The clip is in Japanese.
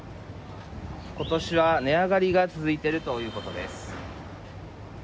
ことしは値上がりが続いているということです。